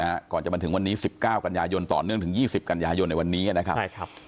ก่อนจะมาถึงวันนี้สิบเก้ากันยายนต่อเนื่องถึงยี่สิบกันยายนในวันนี้นะครับใช่ครับ